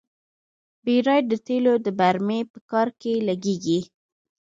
بیرایت د تیلو د برمې په کار کې لګیږي.